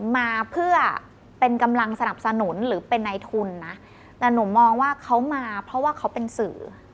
มาเพื่อเป็นกำลังสนับสนุนหรือเป็นในทุนนะแต่หนูมองว่าเขามาเพราะว่าเขาเป็นสื่อ